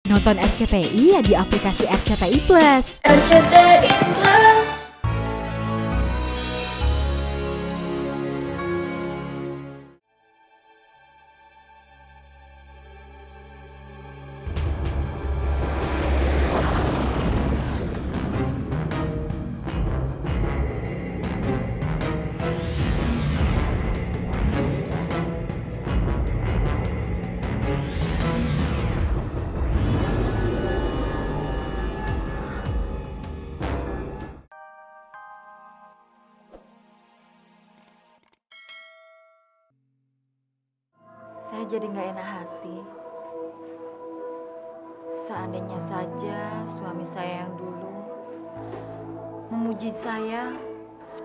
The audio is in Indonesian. nonton rcti di aplikasi rcti plus